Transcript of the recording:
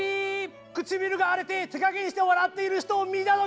唇が荒れて手加減して笑っている人を見た時。